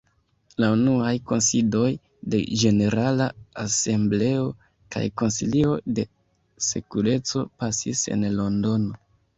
La unuaj kunsidoj de Ĝenerala Asembleo kaj Konsilio de Sekureco pasis en Londono.